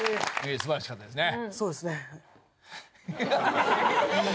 素晴らしかったですね。